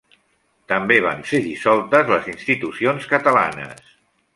També van ser dissoltes les institucions catalanes.